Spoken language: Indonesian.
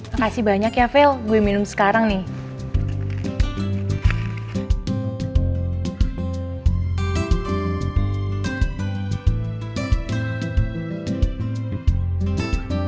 makasih banyak ya phil gue minum sekarang nih